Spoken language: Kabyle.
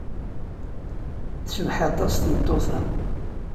Tecbeḥ aṭas tmeṭṭut-a.